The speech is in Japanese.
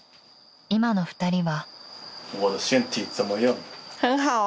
今の２人は］